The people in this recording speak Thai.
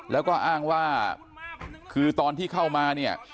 แล้วก็อ้างว่าคือตอนที่เข้ามาเนี่ย